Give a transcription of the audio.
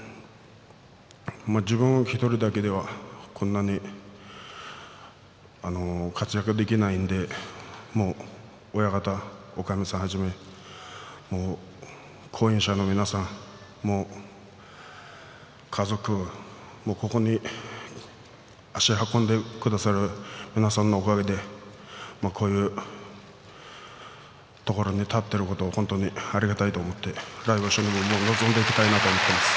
自分１人だけではこんなに活躍ができないので親方、おかみさんはじめ後援者の皆さん、家族、ここに足を運んでくださる皆さんのおかげでこういうところに立っていることを本当にありがたいと思って来場所も臨んでいきたいなと思います。